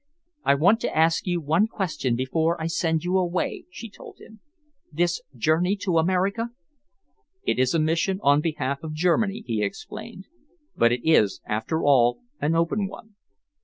"I want to ask you one question before I send you away," she told him. "This journey to America?" "It is a mission on behalf of Germany," he explained, "but it is, after all, an open one.